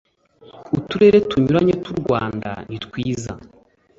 uturere tunyuranye tw u Rwanda nitwiza